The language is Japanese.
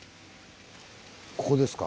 ここですか。